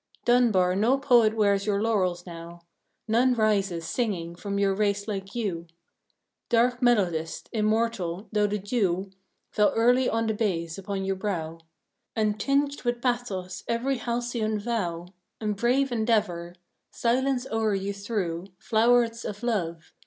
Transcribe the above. Dunbar, no poet wears your laurels now; None rises, singing, from your race like you. Dark melodist, immortal, though the dew Fell early on the bays upon your brow, And tinged with pathos every halcyon vow And brave endeavor. Silence o'er you threw Flowerets of love.